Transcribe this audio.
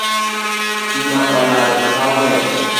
Stima olal e paw ndege